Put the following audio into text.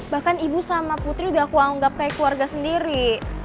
bahkan ibu sama putri udah aku anggap kayak keluarga sendiri